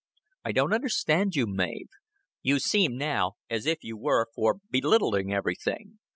"I don't understand you, Mav. You seem now as if you were for belittling everything.